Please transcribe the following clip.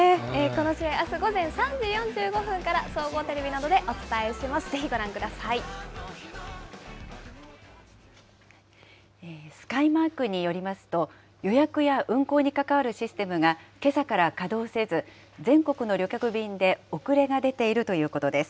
この試合、あす午前３時４５分から、総合テレビなどでお伝えスカイマークによりますと、予約や運航に関わるシステムが、けさから稼働せず、全国の旅客便で遅れが出ているということです。